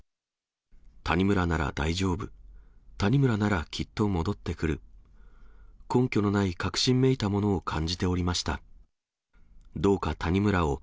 谷村なら大丈夫、谷村ならきっと戻ってくる、根拠のない確信めいたものを感じておりました。